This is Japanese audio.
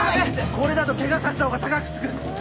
これだとケガさせたほうが高くつく。